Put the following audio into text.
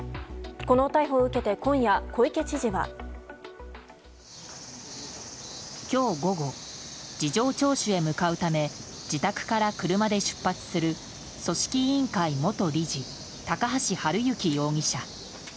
この逮捕を受けて今夜、小池知事は。今日午後事情聴取へ向かうため自宅から車で出発する組織委員会元理事高橋治之容疑者。